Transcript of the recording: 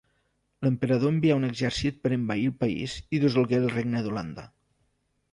L'emperador envià un exercit per envair el país i dissolgué el Regne d'Holanda.